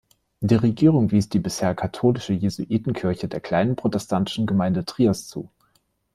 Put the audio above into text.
Die Regierung wies die bisher katholische Jesuitenkirche der kleinen protestantischen Gemeinde Triers zu.